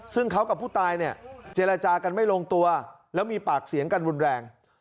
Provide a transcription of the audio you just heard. ซึ่งเขากับผู้ตายเนี่ยเจรจากันไม่ลงตัวแล้วมีปากเสียงกันรุนแรง